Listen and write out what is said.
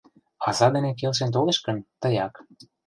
Аза дене келшен толеш гын, тыяк.